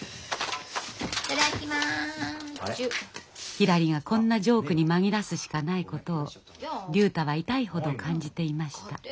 ひらりがこんなジョークに紛らすしかないことを竜太は痛いほど感じていました。